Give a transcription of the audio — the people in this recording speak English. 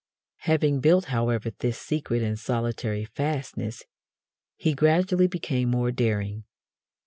Having built, however, this secret and solitary fastness, he gradually became more daring.